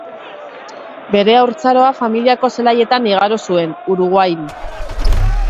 Bere haurtzaroa familiako zelaietan igaro zuen, Uruguain.